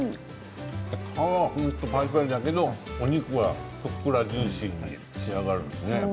皮はパリパリだけどお肉はふっくらジューシーに仕上がるんですね。